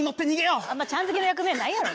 あんまちゃん付けの役名ないやろ。